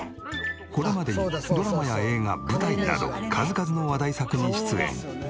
これまでにドラマや映画舞台など数々の話題作に出演。